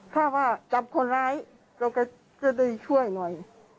ถ้าว่าจับคนร้ายเราก็จะได้ช่วยหน่อย